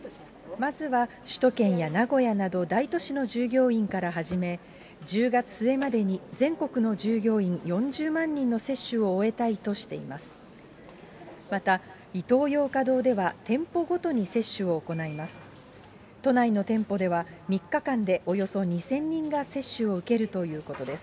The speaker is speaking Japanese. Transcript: まずは、首都圏や名古屋など、大都市の従業員から始め、１０月末までに全国の従業員４０万人の接種を終えたいとしています。